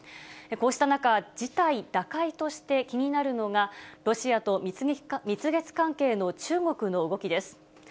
こうした中、事態打開として気になるのが、ロシアと蜜月関係の中国の動きです。